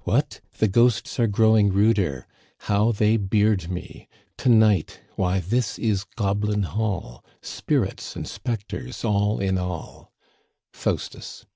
What ? the ghosts are growing ruder, How they beard me. ... To night— why this is Goblin Hall, Spirits and specters all in all. Faustus.